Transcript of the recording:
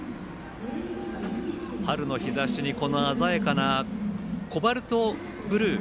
春の日ざしに、この鮮やかなコバルトブルー。